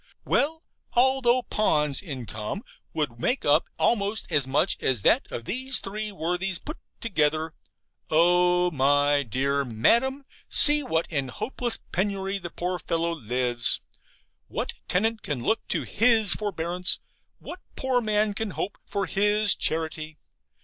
Well, although Pon's income would make up almost as much as that of these three worthies put together oh, my dear Madam, see in what hopeless penury the poor fellow lives! What tenant can look to HIS forbearance? What poor man can hope for HIS charity?